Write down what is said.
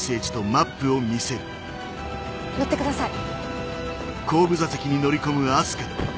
乗ってください。